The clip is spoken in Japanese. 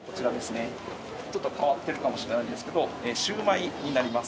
ちょっと変わってるかもしれないんですけどシュウマイになります。